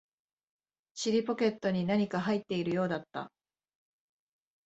尻ポケットに何か入っているようだった